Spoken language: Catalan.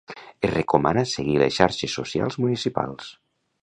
es recomana seguir les xarxes socials municipals